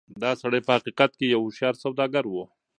دا سړی په حقيقت کې يو هوښيار سوداګر و.